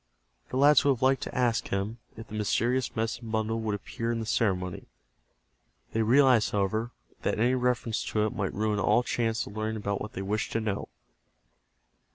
The lads would have liked to ask him if the mysterious medicine bundle would appear in the ceremony. They realized, however, that any reference to it might ruin all chance of learning what they wished to know.